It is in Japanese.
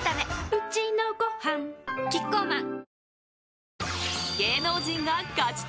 うちのごはんキッコーマン